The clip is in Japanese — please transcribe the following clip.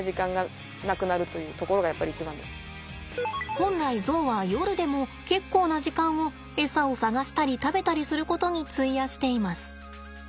本来ゾウは夜でも結構な時間をエサを探したり食べたりすることに費やしています。